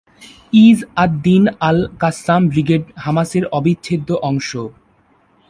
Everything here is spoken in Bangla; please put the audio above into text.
ইজ্ আদ-দীন আল-কাসসাম ব্রিগেড হামাসের অবিচ্ছেদ্য অংশ।